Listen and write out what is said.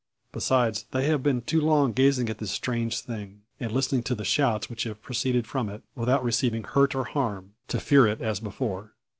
Besides, they have been too long gazing at the strange thing, and listening to the shouts which have proceeded from it, without receiving hurt or harm, to fear it as before.